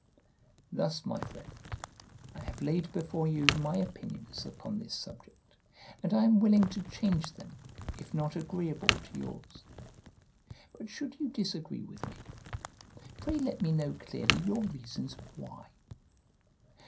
Thus, my friend, I have laid before you my opinions upon this subject, and I am willing to change them if not agreeable to yours. But should you disagree with me, pray let me know clearly your reasons why.